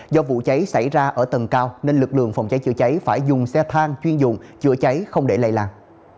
do vụ cháy xảy ra ở tầng cao nên lực lượng phòng cháy chữa cháy phải dùng xe thang chuyên dụng chữa cháy không để lây lan